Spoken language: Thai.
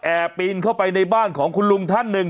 ปีนเข้าไปในบ้านของคุณลุงท่านหนึ่ง